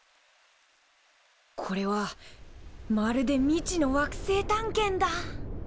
これはまるで未知の惑星探検だ。